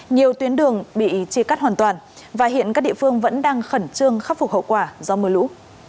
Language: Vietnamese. nhiều tuyến đường bị chia cắt hoàn toàn và hiện các địa phương vẫn đang khẩn trương khắc phục hậu quả do mưa lũ